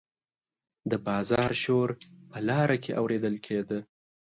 د بازار شور په لاره کې اوریدل کیده.